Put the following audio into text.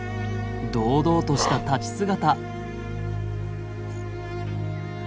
堂々とした立ち姿。